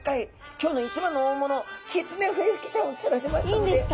今日の一番の大物キツネフエフキちゃんを釣られましたので。